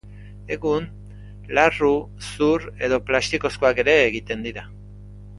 Egun, larru, zur edo plastikozkoak ere egiten dira.